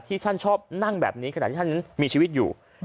ที่ท่านชอบนั่งแบบนี้ขณะที่ท่านมีชีวิตอยู่